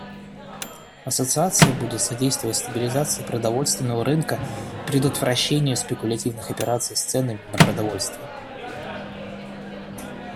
Ассоциация будет содействовать стабилизации продовольственного рынка и предотвращению спекулятивных операций с ценами на продовольствие.